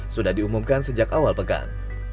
sudah diumumkan sejak awal pekan